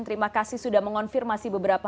terima kasih sudah mengonfirmasi beberapa